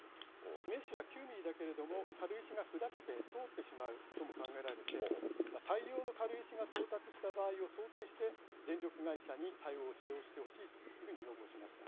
メッシュは９ミリだけれども、軽石が砕けて通ってしまうことも考えられて、大量の軽石が到達した場合を想定して、電力会社に対応を指導してほしいというふうに要望しました。